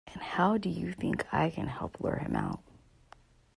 And how do you think I can help lure him out?